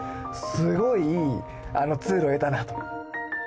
すごいいいツールを得たなと。